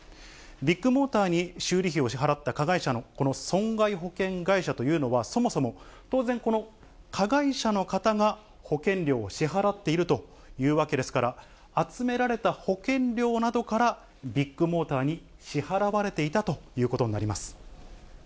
ビッグモーターに修理費を支払った加害者のこの損害保険会社というのは、そもそも当然、この加害者の方が、保険料を支払っているというわけですから、集められた保険料などから、ビッグモーターに支払われていたということになります。